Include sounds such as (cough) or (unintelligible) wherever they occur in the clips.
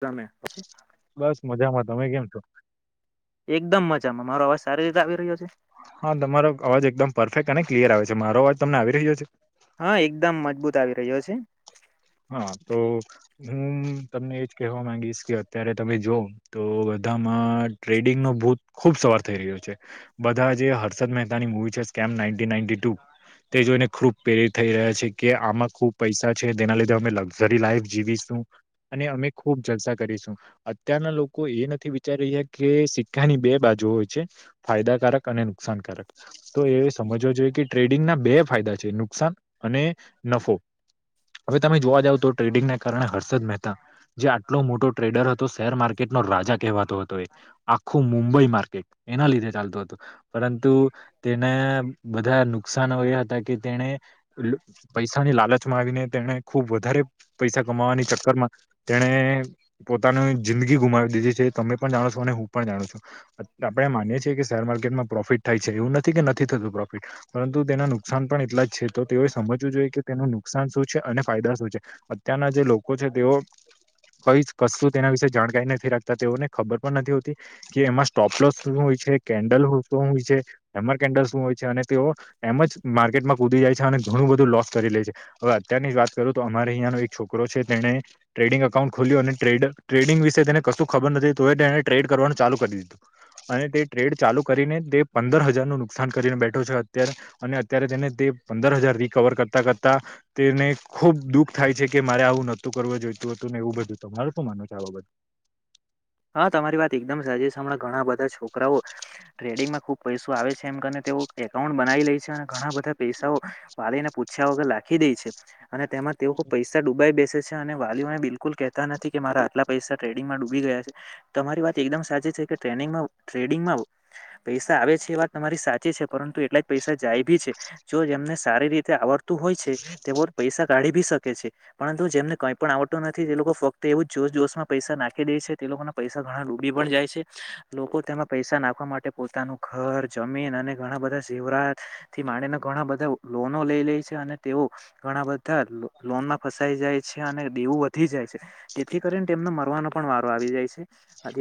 ગમે. બસ મજામાં તમે કેમ છો. એકદમ મજામાં મારો અવાજ સારી રીતે આવી રહ્યો છે. હા તમારો અવાજ એકદમ પરફેક્ટ અને ક્લિયર આવે છે મારો અવાજ તમને આવી રહ્યો છે. હા એકદમ મજબૂત આવી રહ્યો છે. હા તો હું તમને એજ કહેવા માંગીશ કે અત્યારે તમે જોઉ તો. બા ટડિંગ નો ભૂ ખુબ સવાર થઈ રહ્યો છે, બધા જે હર્ષદ મહેતાની મુવી છે. તે જોઈને ખૂબ પ્રેરિત થઈ રહ્યા છે, કે આમાં ખુબ પૈસા છે. તેના લીધે અમે લક્ઝરી લાઈફ જીવીશું અને અમે ખુબ ચર્ચા કરીશું અત્યારના લોકો. એ નથી વિચારી રહ્યા કે સિક્કાની બે બાજુ હોય છે, ફાયદાકારક અને નુકસાનકારક. એ સમજવો જોઈએ કે ટ્રેડિંગના બે ફાયદા છે, નુકસાન અને નફો. હવે તમે જોવા જાવ તો ટ્રેડિંગને કારણે હર્ષદ મહેતા. જે આટલો મોટો ટ્રેડર હતો શેર માર્કેટ ન રાજા કહેવાતો હતો એ આખું મુંબઈ માર્કેટ. એના લીધે ચાલતું હતું પરંતુ તેને બધા નુકસનો એ હતા કે તેને. પૈસાની લાલચમાં આવીને. તે ખુબ વધારે પૈસા કમાવાની ચક્કરમાં તેને પોતાનું જિંદગી ગુમાવી. દીધી છે, તમે પણ જાણો છો અને હું પણ જાણું છું, આપણે માનીએ છીએ કે શેર માર્કેટમાં પ્રોફિટ થાય છે, એવું નથી. કે નથી થતું પ્રોફિટ પરંતુ તેના નુકસાન પણ એટલા જ છે, તો તેઓએ સમજવું જોઈએ કે તેનું નુકસાન શું. છે, અને ફાયદા શું છે, અત્યારના જે લોકો છે તેઓ. કઈ કશું તેના વિશે જાણકારી નથી રાખતા તેઓને ખબર પણ નથી હોતી કે એમાં જ ટોપલોસ શું હોય છે? કેન્ડલ શું હોય છે? હેમર કેન્ડલ શું હોય છે? અને તેઓ એમ જ માર્કેટમાં કૂદી જાય છે અને ઘણું બધું લોસ કરી લે છે હવે. અત્યારની જ વાત કરું તો અમારે અહંનો એક છોકરો છે તેને ટ્રેડિંગ એકાઉન્ટ ખોલ્યું અને ટ્રેડ ટ્રેડિંગ વિશે તેને વસ્તુ ખબર નથી તો એ એને ટ્રેડ કરવાનું ચાલુ કરી દીધું. અને તે ટ્રેડ ચાલુ કરીને તે પંદર હજારનું નુકસાન કરીને બેઠો છે અત્યારે, અને અત્યારે તેને તે પંદર હજાર રિકવર કરતા કરતા તેને ખુબ દુઃખ થાય છે કે મારે આવું નહોતું કરવાવ જોઈતું હતું ને એવું બધું તમારું તો માનો છો આ બાબત? (inaudible) હા, તમારી વાત એકદમ સાચી છ. હમણાં ઘણા બધા છોકરાઓ ટ્રેડિંગમાં ખુબ પૈસો આવે છે, એમ કરીન તેઓ એકાઉન્ટ બનાવી લે છે અને ઘણા બધા પૈસાઓ વાલીને પૂછ્યા વગર લખી દે છે. અને તેમાં તેઓ પૈસા ડૂબાઈ બેસે સે. અને વાલીઓને બિલકુલ કહેતા નથી કે મારા આટલા પૈસા ટ્રેડિંગમાં ડૂબી ગયા છે. તમારી વાત એકદમ સાચી છે કે, ટ્રેનિંગમાં ટ્રેડિંગમાં પૈસા આવે છે. એ વાત તમારી સાચી છે પરંતુ એટલા જ પૈસા જાય ભી છે. જો એમને સારી રીતે આવડ હોય છે તે પૈસા કાઢી બી શકે કેસે પરંતુ જેમને કઈ પણ આવડતું નથી તે લોકો ફક્ત એવું જ જોશ જોશમાં પૈસા નાખી દે છે. તે લોકો ના પૈસા ઘણા ડૂબી પણડ જાય છે લોકો તેમાં પૈસા નાખવા માટે પોતાનું ઘર જમીન અને ઘણા બધા જીવરાજ થી માણી ઘણા બધા લોનો લઈ લે છે. અને તેઓ કો ઘણા બધા લોનમાં ફસાઈ જાય છે, અને દેવું વધી જાય છે. તેથી કરીને તેમને (unintelligible) પણ વાક આવી જાય છે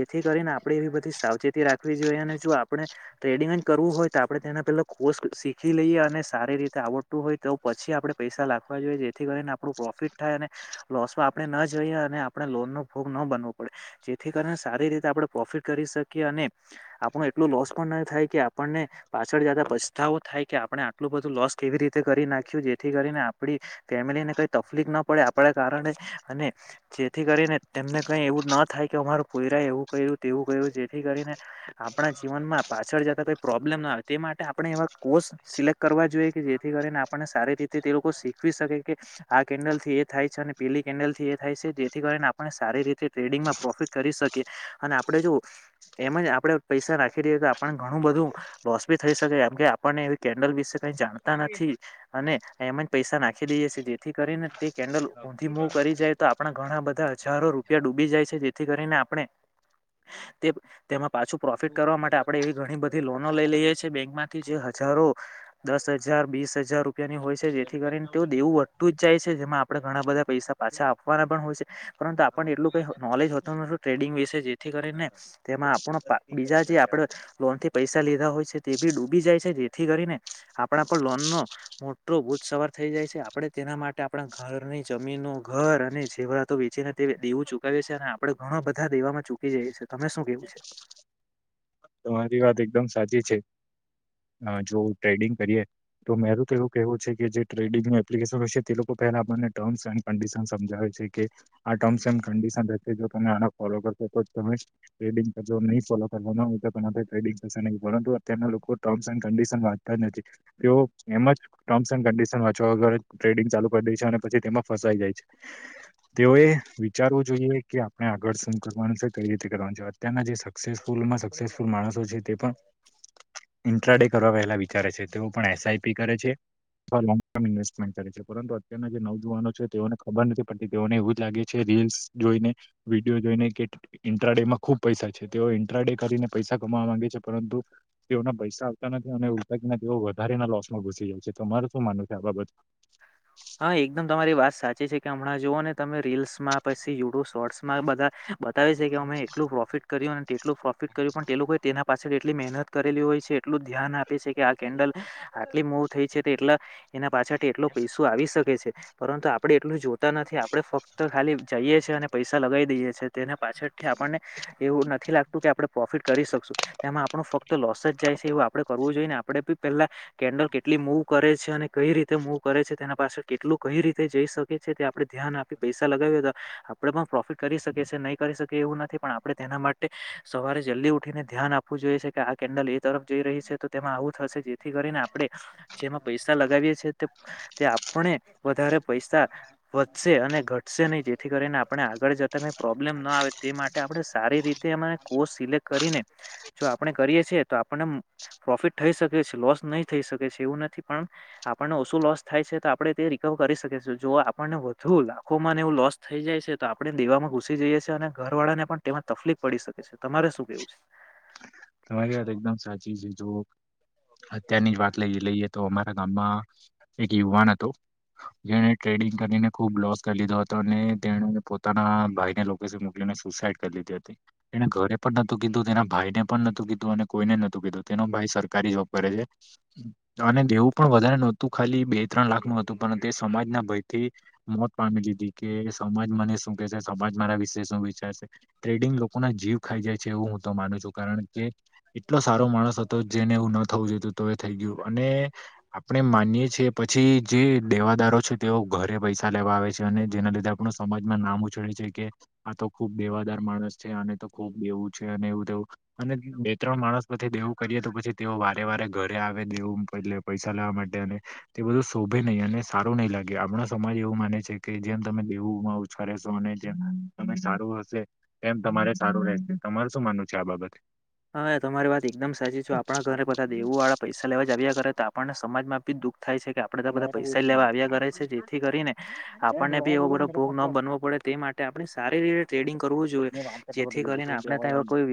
જે થી કરીને આપડે એવી બધી સાવચેતી રાખવી જોઈએ અને જો આપણે ટડિંગ કરવું તું હોય તો આપણે તેના પેહલા કોર્ષ શીખી લઈએ અને સારી રીતે આવડતું હોય તો પછી આપણે પૈસા લખવા. જેથી કરીને આપડુ પ્રોફિટ થાય અને લોસમાં આપણે ન જઈએ અને આપણે લોનનો ભોગ ન બનવુ જેથી કરી સારી રીતે આપણે પ્રોફિટ કરી શકીએ અને આપણુ એટલુ લોસ પણ નહી થાય કે આપ આપણને પાછળ જતા પછતાવો થાય કે આપણે આટલુ બધુ લોસ કેવી રીતે કરી નાખ્યુ જેથી કરીને આપણી ફેમેલીને કઈ તકલીફ ના પડે આપડે કારણે અને જેથી કરીને તેમને કઈ એવુ ન થાય કે અમારુ પોયરા એ એવુ કયરુ, તેવુ કયરુ જેથી કરીને આપણા જીવનમાં પાછળ જતા કઈ પ્રોબ્લેમ ના આવે તે માટે આપણે એવા કોર્સ સિલેક્ટ કરવા જોઈએ કે જેથી કરીને આપણને સારી રીતે તે લોકો શીખ શીખી શકાય છે આ કેન્ડલ થી એ થાય છે. અને પેલી કેન્ડલ થી એ થાય છે જેથી કરીને આપણને સારી રીતે ટ્રેડિંગમાં પ્રોફિટ કરી શકીએ અને આપણેે જો એમ જ આપણેે પૈસા રાખી રએ તો આપણને ઘણુ બધુ રુ લોસ ભી થઈ શકે એમ કે આપણને એવી કેન્ડલ વિશે કઈ જાણ જાણતા નથી અને એમ જ પૈસા નાખી દઈએ છે. જેથી કરીને તે કેન્ડલ ઊંધી મૂવ કરી જાય તો આપણા ઘણા બધા હજારો રૂપિયા ડૂબી જાય છે. જેથી કરીને આપણે તેમાં પાછું પ્રોફિટ કરવા માટે આપડે એવી ઘણી બધી લોનો લઈ લઈએ છીએ બેંક માંથી જે જારરો દસ હજાર બીસ હજાર રૂપિયાની હોય છે જેથી કરીને તે દેવું વધતું જ જાય છે જેમાં આપણે ઘણા બધા પૈસા પાછા આપવાના પણ હોય છે. પરંતુ આપણને એટલું કઈ નોલેજ હોતું નથી ટ્રેડિંગ વિશે જેથી કરીને તેમાં આપણો બીજા જે આપડ લોન થી પૈસા લીધા હોય છે તે બી ડૂબી જાય છે જેથી કરીને આપણા પર લોન નો મોટો ભૂત સવાર થઈ જાય જાય છે આપણે તેના માટે આપણા ઘરની જમીનો ઘર અને જેવરાતો વેચીને. દેવું ચુકાવ છે અને આપડે ઘણો બધા દેવામાં ચૂકી જઈએ છીએ તમે શું કેવું છે તમારી વાત એકદમ સાચી છે જો ટ્રેડિંગ કરી તો મેર તો એવો કેહેવું છે કે જે ટ્રેડિંગનું એપ્લિકેશન હોય છે તે લોકો પહેલા આપણને ટર્મ્સ એન્ કડિશન સમજાવે છે તમે ફો કરશો તોમેડંગ ન થ અત્યારના લોકો ટર્મ કિશન વાચતા નથી તેઓ એ ટમ કન્િશન વાંચવા વગર ટ્રેડિંગ ચાલુ કરી દે છે અને પછી તેમાં ફસાઈ જાય છે તેઓએ વિચારવું જોઈએ કે આપણે આગળ શું કરવાનું છે કઈ રીતે કરવાનું છે અત્યના જે સક્સેસફુલમાં સક્સેસફુલ માણસો છે, તે પણ ઇન્ટ્રાડે કરવા પહેલા વિચારે છે તેઓ પણ એસઆઈપી કરે છે. ફો લો ટર્મ ઇન્વેસ્ટમેન્ટ કરે છે પરંતુ અત્યારના જે નવજુવાનો છે તેઓને ખબર નથી પડતી તેઓને એવું જ લાગે છે રીલ્સ જોઈને વિડીયો જોઈને કે ઇન્ટ્રા ડે માં ખુબ પૈસા છે તેઓ ઇન્ટ્રા ડે કરીને પૈસા કમાવા માંગે છે પરંતુ તેઓના પૈસા આવતા નથી અને ઉલતા તેઓ વધારે ના લોસ માં ઘુસી જાય છે. માર શું માનું છે આ બાબત હા હા એકદમ તમારી વાત સાચી છે કે હમણાં જુઓ ને તમે રીલ્સમાં પછી યુટ્યુબ શોર્ટ્સમાં બધા. બતાવે છે કે અમે એટલું પ્રોફિટ કર્યું અને તેટલું પ્રોફિટ કર્યું પણ તે લોકો તેના પાસે એટલી મહેનત કરેલી હોય છે એટલું ધ્યાન આપે કે આ કેન્ડલ આટલી મવ થઈ છે એટલા એના પાછળ એટલો પૈસો આવી શકે છે. પરંતુ આપડણે એટલું જોતા નથી આપડણે ફક્ત ખાલી જઈએ છીએ અને પૈસા લગાવી દઈએ છીએ તેને પાછળથી આપ આપને એવું નથી લાગતું કે આપણે પ્રોફિટ કરી શકશું તેમાં આપણું ફક્ત તો લોસ જાય છે એવું આપડે કરવું જોઈએ ને આપડે બી પહેલા કેન્ડલ કેટલી મૂવ કરે છે અને કઈ રીતે મૂવ કરે છે તેના પાછળ કેટલું કઈ રીતે જઈ શકે છે તે આપણેે ધ્યાન આપી પૈસા લગાવએ હતા આપડે પણ પ્રોફિટ કરી શકે છે નહીં કરી શકે એવું નથી પણ આપણે તેના માટે સવારે જલ્દી ઉઠીને ધ્યાન આપવું જોઈએ છે કે આ કેન્ડલ એ. તરફ જઈ રહી છે તો તેમાં આવું થશે જેથી કરીને આપણે જેમાં પૈસા લગાવીએ છી. તે આપણે વધારે પૈસા વધશે અને ઘટશે નહી જેથી કરીને આપણે આગળ જતા. પ્રબ્લેમ ના આવે તે માટે આપ સારી રીતે કો સિલેક્ટ કરીને જો આપ કરીી તો આપણને પ્રોફિટ થઈ શકે લોસ નહી થઈ શકે છે એવું નથી પણ આપન શું લોસ થાય છે તો આપણે તે રિકવર કરી શકીશું જો આપણને વધુ લાખોમાંને એવું લોસ થઈ જાય છે તો આપણે દે ગ ઘુસી જઈએ છીએ અને ઘરવાળા ને પણ તેમાં તકલીફ પડી શકે છે તમારે શું કેવું છે તમારી વાત એકદમ સાચી છે જો અત્યારની જ વાત લઈ લઈએ તો અમારા ગામમાં એક યુવાન હતોુ જેને ટ્રેડિંગ કરીને ખુબ લોસ કરી લીધો હતો અને તેને પોતાના ભાઈને લોકેશન મોકલ ને સુસાઈડ કરી લીધી એને ઘરે પણ નહતું કીધું તેના ભાઈ ને પણ નહતું કીધું અને કોઈને નહતુંીધું તેનો ભાઈ સરકારી જોબ કર અને દેવું પણ વધારે નોતું ખાલી બે ત્રણ લાખ નું હતું પણ તે સમાજના ભયથી. મોત પામી દીધી કે સમાજ મને શું કે છે સમાજ મારા વિશે શું વિચાર છે. ટ્રેડિંગ લોકો ના જીવ ખાઈ જાય છે એવું હું તો માનું છું કારણ કે એટલો સારો માણસ હતો જેને હું થવુંઈ તો એ થઈ ગયું અને આપણે માનીએ છીએ પછી જે દેવાદારો છે, તેઓ ઘરે પૈસા લેવા આવે છે અને જેના લીધે આપણ સમાજમાં નામ ઉછળે છે કે આ તો ખુબ દેવાદાર માણસ છે અને તો ખુબ દેવું છે અને એવું તેવું અને બે ત્રણ માણસ પછી દેવું કરીએ તો પછી તેઓ વારે વારે ઘરે આવે દેવું એલે પૈસા લેવા માટે અને તે બધું શોભે નહી અને સારું નહીં લાગ્યો આપણાો સમાજ એવું માને છે કે જેમ તમે દેવોમાં ઉચ્ગારેશો અને જેમ તમે સારું હશે એમ તમારે સારું રહે છે તમારે શું માનવું છે આ બાબતે હા તમારી વાત એકદમ સાચી છે આપણા ઘરે બધા દેવું વાળા પૈસા લેવા જ આવ્યા કરે તો આપણને સમાજમાં બી દુઃખ થાય છે કે આપડે તો બધા પૈસા લેવા આવ્યા કરે છે જેથી કરીને આપણને બી એવો બધો ભોગ ન બનવો પડે તે માટે આપણે સારી રીતે ટ્રેડિંગ કરવું જોઈએ જેથી કરીને આપણે ત કોઈ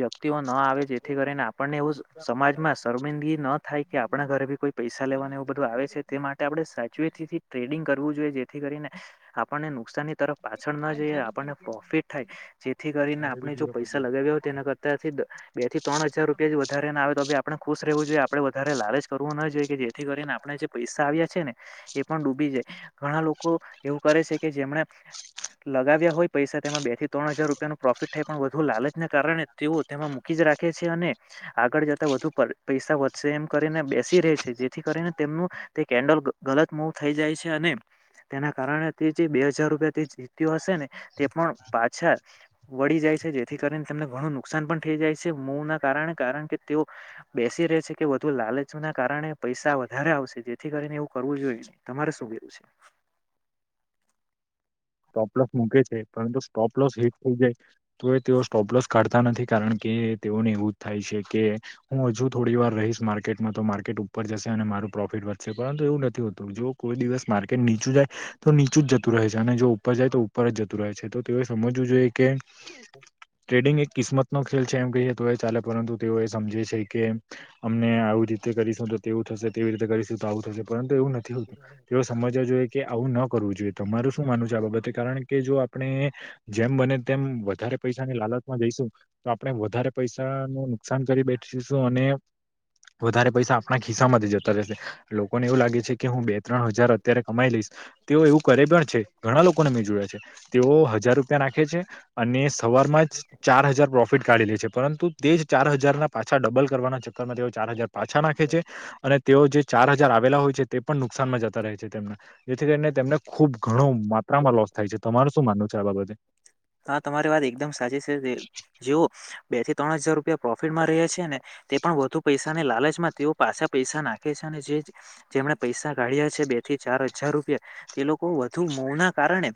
વ્યક્તિ આવે જેથી કરીને આપણને એવ સમાજમાં શર્મિંદગી ન થાય કે આપણા ઘરે ભી કોઈ પૈસા લેવાનું એવું બધું આવે છે તે માટે આપણે સચવેથીથી ટ્રેડિંગ કરવું જોઈએ જેથી કરીને આપણને નુકસાનની તરફ પાછળ ન જઈએ આપણને પ્રોફિટ થાય જેથી કરીને આપણે જો પૈસા લગે (unintelligible) બે થી ત્રણ હજાર રૂપિયા વધારે ના આવે તો આપણે ખુશ રહેવું જોઈએ આપ વધ લાલચ કર જોઈએ કે જેથી કરીને આપણે જે પૈસા આવ્યા છે ને એ પણ ડૂબી જાય ઘણા લોકો લોકો એવું કરે છે કે જેમને લગાવ્યા હોય પૈસા તેમાં બે થી ત્રણ હજાર રૂપિયા ન પ્રોફિટ થાય પણ વધુ લાલચને કારણે તેઓ તેમાં મૂકી જ રાખે છે અને આગળ જતા વધુ પૈસા વધશે એમ કરીને બેસી છે જેથી કરીને તેમનું તે કેન્ડલ ગલત મૂવ થઈ જાય છે અને તેના કારણે તે જે બે હજાર રૂપિયા જીત્યો હશે ને તે પણ પાછા વળી જાય જેથી કરી ત તેમને ઘણું ન નુકસાન પણ થઈ જાય છે મો ના કારણે કારણ કે તેઓ બેસી રહે છે કે વધુ લાલચ ના કારણે પૈસા વધારે આવશે જેથી કરીને એવું કરવું જોઈએ નને તમારે શું કેવું છે સ્ટોપલોસ મૂકે છે પરંતુ સ્ટોપલોસ હિટ થઈ જાય તો એ તેઓ સ્ટોપલોસ કાઢતા નથી કારણ કે કે તેઓને એવું જ થાય છે કે હું હજુ થોડી વાર રહીશ માર્કેટમાં તો માર્કેટ ઉપર જશે અને મારું પ્રોફિટ વધશે પરંતુ એવું નથી હોતું જો કોઈ દિવસ માર્કેટ નીચું જાય તો નીચું જ જતું રહે છે અને જો ઉપર જાય તો ઉપર જતું રહે છે તો તેઓ સમજવું જોઈએ એક કે ટ્રેડિંગ એક કિસ્મત નો ખેલ છે એમ કહીએ તો ચા પરંતુ તેઓ એ સમજે છે કે અમને આવી રીતે કરીશું તો તેવું થશે તેવી રીતે કરીશું તો આવું થશે પરંતુ એવું નથી હોતું તે સમજવ જોઈએ કે આવું ન કરવું જોઈએ તમારું શું માનું બાબ કારણ કે જો આપણે જેમ બને તેમ વધારે પૈસાની લાલચમાં જઈશું તો આપણે વધારે પૈસા નું નુકસાન કરી બેઠીશું અને વધારે પૈસા આપણા ખિસ્સા માંથી જતા રહેશે. લોકોને એવું લાગે છે કે હું બે ત્રણ હજાર અત્યારે કમાઈ લઈશ તેઓ એવું કરે પણ છે ઘણા લોકોને મેં જોયા છે. તેઓ હજાર રૂપિયા નાખે છે અને સવાર માં જ ચાર હજાર પ્રોફિટ કાઢી લે છે. પરંતુ તે જ ચાર હજાર ના પાછા ડબલ કરવાના ચક્કરમાં તેઓ ચાર હજાર પાછા નાખે છે અને તેઓ જે ચાર હજાર આવેલા હોય છે તે પણ નુકસાનમાં જતા રહે છે તેમના જેથી કરીને તેમને ખૂબ ઘણું માત્રામાં લોસ થાય છે. તમાર શું માનવું છે આ બાબતે? હા તમારી વાત એકદમ સાચી છે. જેઓ બે થી ત્રણ હજાર પ્રોફિટમાં રહે છે ને તે પણ વધુ પૈસાની લાલચમાં તેઓ પાછા પૈસા નાખે છે અને જે જેમણે પૈસા કાઢ્યા છે બે થી ચાર હજાર રૂપિયા તે લોકો વધુ મો ના કારણે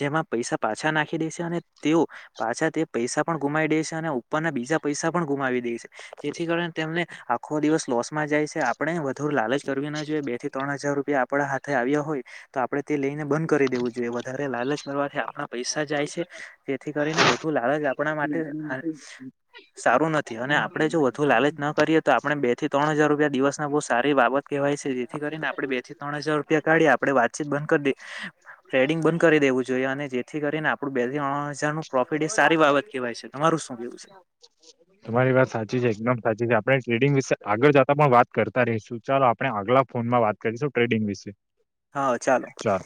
જેમાં પૈસા પાછા નાખી દે છે અને તેઓ પાછા તે પૈસા પણ ગુમાવી દે છે અને ઉપરના બીજા પૈસા પણ ગુમાવી દે છે. જેથી કરીને તેમને આખો દિવસ લોસમાં જાય છે. આપણે વધુ લાલચ કરવી ના જોઈએ બે થી ત્રણ હજાર રૂપિયા આપ ડા હાથે આવ્યા હોય તો આપડણે તે લઈને બંધ કરી દેવું જોઈએ. વધારે લાલચ કરવાથી આપણા પૈસા જાય છે જેથી કરીને વધુ લાલચ આપણા માટે સારું નથી અને આપણેે જો વધુ લાલચ ના કરીએ તો આપણે બે થી ત્રણ હજાર રૂપિયા દિવસ ના બહુ સારી બાબત કેવાય છે. જેથી કરીને આપણે બે થી ત્રણ હજાર રૂપિયા કાઢી આપડણે વાતચીત બંધ કરી દ ટ્રેડિંગ બંધ કરી દેવું જોઈએ અને જેથી કરીને આપડું કહેવાય છે તમારું શું કેવું છે તમારી વાત સાચી છે એકદમ સાચી છે આપણે ટ્રેડિંગ વિશે આગળ જતા પણ વાત કરતા રહીશું. ચાલો આપણે આગલા ફોનમાં વાત કરીશું ટ્રેડિંગ વિશે. હા ચાલો ચાલ.